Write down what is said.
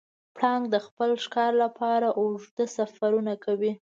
پړانګ د خپل ښکار لپاره اوږده سفرونه کوي.